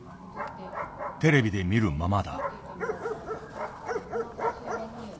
テレビで見るままだ。